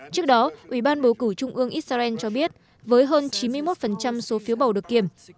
trước đó ủy ban bầu cử trung ương israel cho biết với hơn chín mươi một số phiếu bầu được kiểm